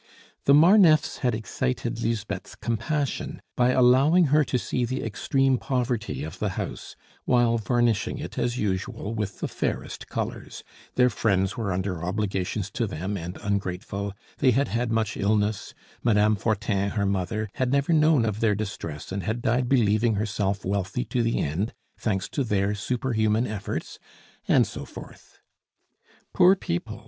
The Marneffes had excited Lisbeth's compassion by allowing her to see the extreme poverty of the house, while varnishing it as usual with the fairest colors; their friends were under obligations to them and ungrateful; they had had much illness; Madame Fortin, her mother, had never known of their distress, and had died believing herself wealthy to the end, thanks to their superhuman efforts and so forth. "Poor people!"